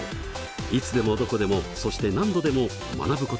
いつでもどこでもそして何度でも学ぶことができます。